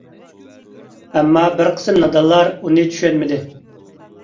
ئەمما بىر قىسىم نادانلار ئۇنى چۈشەنمىدى.